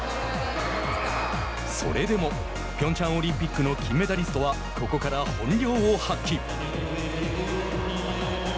それでもピョンチャンオリンピックの金メダリストはここから本領を発揮。